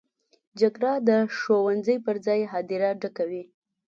جګړه د ښوونځي پر ځای هدیره ډکوي